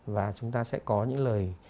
và chúng ta sẽ có những lời